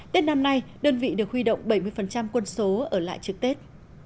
tết năm nay đơn vị được huy động bảy mươi quân số ở lại trực tết